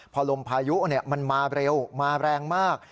พอลมพายุมันมาเร็วมาแรงมาก